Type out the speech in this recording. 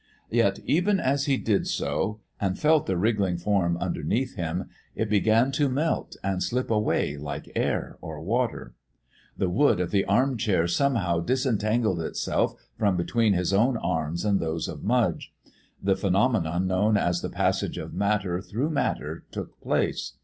Yet, even as he did so, and felt the wriggling form underneath him, it began to melt and slip away like air or water. The wood of the arm chair somehow disentangled itself from between his own arms and those of Mudge. The phenomenon known as the passage of matter through matter took place.